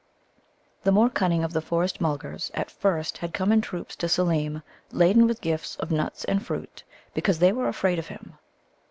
The more cunning of the Forest mulgars at first had come in troops to Seelem, laden with gifts of nuts and fruits, because they were afraid of him.